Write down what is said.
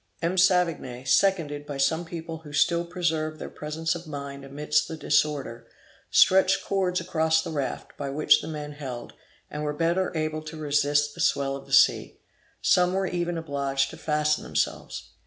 M. Savigny, seconded by some people who still preserved their presence of mind amidst the disorder, stretched cords across the raft, by which the men held, and were better able to resist the swell of the sea; some were even obliged to fasten themselves.